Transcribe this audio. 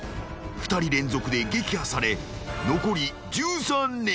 ［２人連続で撃破され残り１３人］